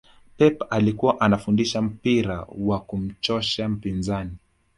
pep alikuwa anafundisha mpira wa kumchosha mpinzani